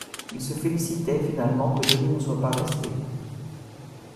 Ils se félicitaient, finalement, que Denis ne soit pas resté.